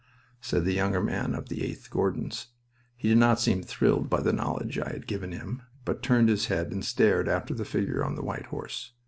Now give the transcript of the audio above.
said the younger man, of the 8th Gordons. He did not seem thrilled by the knowledge I had given him, but turned his head and stared after the figure on the white horse.